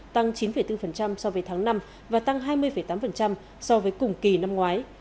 tăng chín bốn so với tháng năm và tăng hai mươi tám so với cùng kỳ năm ngoái